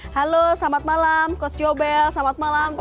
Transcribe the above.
halo selamat malam coach jobel selamat malam